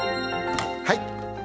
はい。